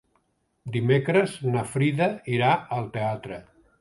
Dimecres na Frida irà al teatre.